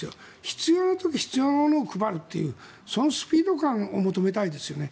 必要な時必要なものを配るというそのスピード感を求めたいですよね。